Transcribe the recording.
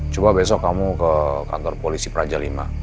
coba besok kamu ke kantor polisi praja v